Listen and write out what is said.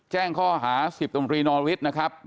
แจ้งข้อหา๑๐ตรนวิทย์นะครับ